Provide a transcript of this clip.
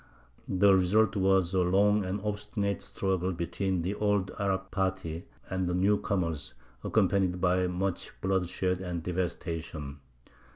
The result was a long and obstinate struggle between the old Arab party and the new comers, accompanied by much bloodshed and devastation.